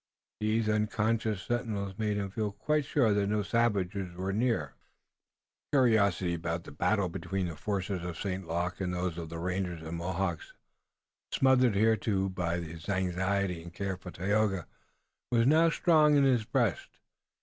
These unconscious sentinels made him feel quite sure that no savages were near. Curiosity about the battle between the forces of St. Luc and those of the rangers and Mohawks, smothered hitherto by his anxiety and care for Tayoga, was now strong in his breast.